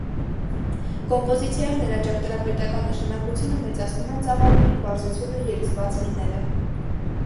Կոմպոզիցիայում նրա ճարտարապետական նշանակությունը մեծացնում են ծավալների պարզությունն ու երիզված լինելը։